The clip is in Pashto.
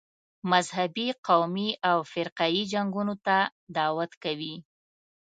مذهبي، قومي او فرقه یي جنګونو ته دعوت کوي.